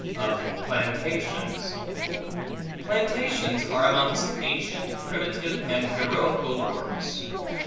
Of Plantations PLANTATIONS are amongst ancient, primitive, and heroical works.